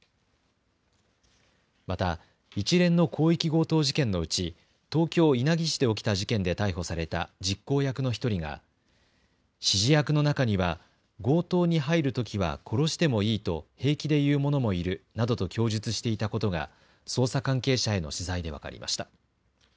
また一連の広域強盗事件のうち東京稲城市で起きた事件で逮捕された実行役の１人が指示役の中には強盗に入るときは殺してもいいと平気で言う者もいるなどと供述していたことが捜査関係者への取材で分かりました。